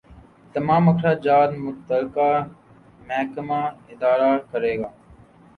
تمام اخراجات متعلقہ محکمہ ادا کرے گا۔